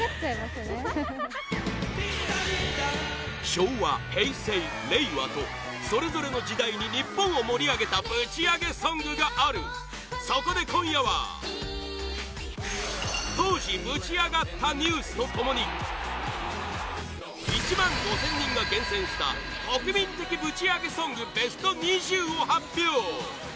昭和、平成、令和とそれぞれの時代に日本を盛り上げたぶちアゲソングがあるそこで今夜は当時ぶちアガったニュースと共に１万５０００人が厳選した国民的ぶちアゲソングベスト２０を発表！